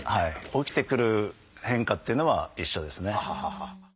起きてくる変化っていうのは一緒ですね。